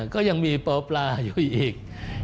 ก็ยังมีปปลาอยู่อีก